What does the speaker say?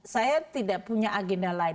saya tidak punya agenda lain